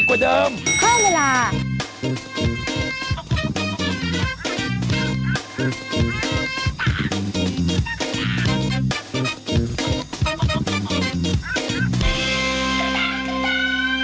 โปรดติดตามตอนต่อไป